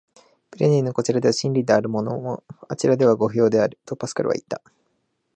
「ピレネーのこちらでは真理であるものも、あちらでは誤謬である」、とパスカルはいった。